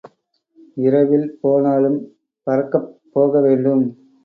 இரவில் போனாலும் பரக்கப் போக வேண்டும்.